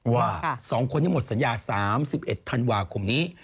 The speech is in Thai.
ว่า๒คนนี้หมดสัญญา๓๑ธันวาคมนี้